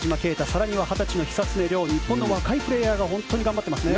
更には２０歳の久常涼日本の若いプレーヤーが本当に頑張ってますね。